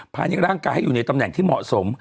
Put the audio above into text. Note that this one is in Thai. ในร่างกายให้อยู่ในตำแหน่งที่เหมาะสม